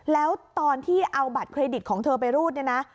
แล้วตอนที่เอาบัตรเครดิตของเธอไปรูดเนี่ยนะ